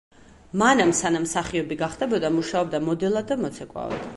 მანამ სანამ მსახიობი გახდებოდა მუშაობდა მოდელად და მოცეკვავედ.